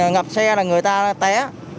ngập xe là người ta té